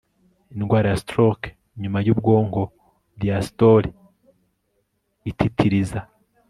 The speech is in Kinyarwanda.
Indwara ya stroke nyuma yubwonko diastole ititiriza